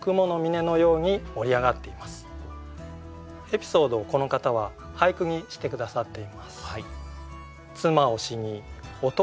エピソードをこの方は俳句にして下さっています。